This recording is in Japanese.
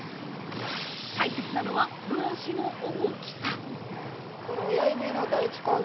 大切なのはブラシの大きさ。